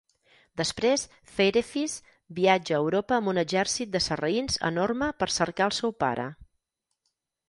Després, Feirefiz viatja a Europa amb un exèrcit de sarraïns enorme per cercar al seu pare.